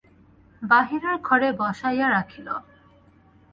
বাহিরের ঘরে বসাইয়া রাখিল।